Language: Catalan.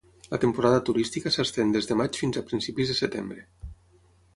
La temporada turística s'estén des de maig fins a principis de setembre.